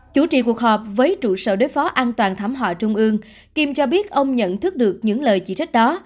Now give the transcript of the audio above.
chủ trì cuộc họp với trụ sở đối phó an toàn thảm họa trung ương kim cho biết ông nhận thức được những lời chỉ trách đó